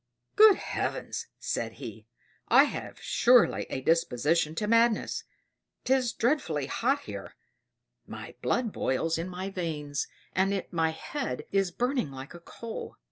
"Good Heavens!" sighed he. "I have surely a disposition to madness 'tis dreadfully hot here; my blood boils in my veins and my head is burning like a coal."